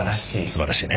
すばらしい。